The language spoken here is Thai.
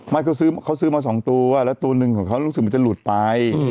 ไม่ซึ้งเขาซื้อมาสองตัวแล้วตัวนึงจะหลุดไป